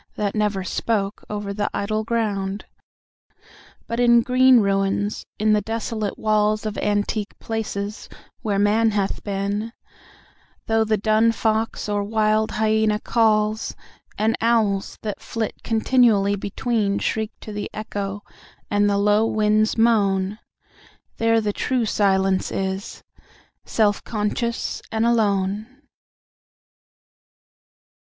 That never spoke, over the idle ground: But in green ruins, in the desolate walls Of antique palaces, where Man hath been, Though the dun fox, or wild hyæna, calls, And owls, that flit continually between, Shriek to the echo, and the low winds moan,— There the true Silence is, self conscious and alone.